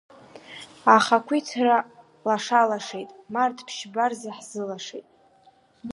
Ахақәиҭра лашалашеит, Март Ԥшьба рзы иаҳзылашеит…